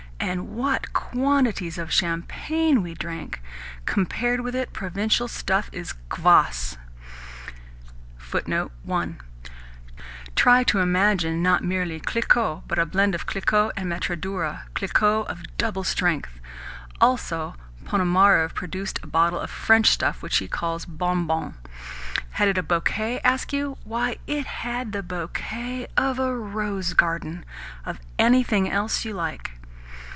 And what quantities of champagne we drank! Compared with it, provincial stuff is kvass . Try to imagine not merely Clicquot, but a sort of blend of Clicquot and Matradura Clicquot of double strength. Also Ponomarev produced a bottle of French stuff which he calls 'Bonbon.' Had it a bouquet, ask you? Why, it had the bouquet of a rose garden, of anything else you like.